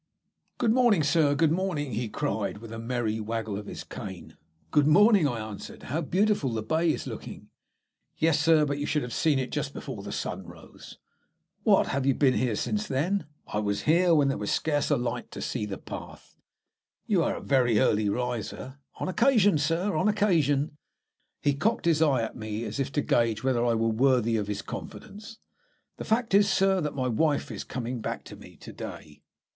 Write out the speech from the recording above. "Good morning, Sir, good morning!" he cried with a merry waggle of his cane. "Good morning!" I answered, "how beautiful the bay is looking." "Yes, Sir, but you should have seen it just before the sun rose." "What, have you been here since then?" "I was here when there was scarce light to see the path." "You are a very early riser." "On occasion, sir; on occasion!" He cocked his eye at me as if to gauge whether I were worthy of his confidence. "The fact is, sir, that my wife is coming back to me to day."